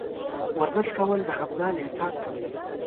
ورزش کول د خفګان احساس کموي.